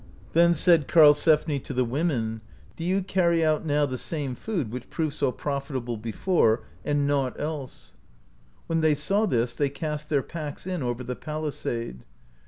Then said Karlsefni to the women : "Do ye carry out now the same food, which proved so profitable before, and nought else." When they saw this they cast their packs in over the palisade.